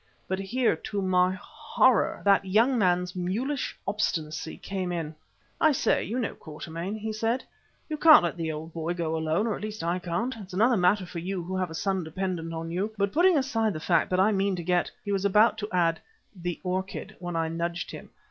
But here, to my horror, that young man's mulish obstinacy came in. "I say, you know, Quatermain," he said, "we can't let the old boy go alone, or at least I can't. It's another matter for you who have a son dependent on you. But putting aside the fact that I mean to get " he was about to add, "the orchid," when I nudged him.